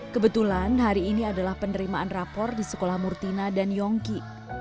kebetulan hari ini adalah penerimaan rapor di sekolah murtina dan yongki